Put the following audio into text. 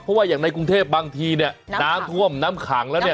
เพราะว่าอย่างในกรุงเทพบางทีเนี่ยน้ำท่วมน้ำขังแล้วเนี่ย